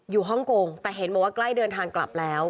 ฮ่องกงแต่เห็นบอกว่าใกล้เดินทางกลับแล้ว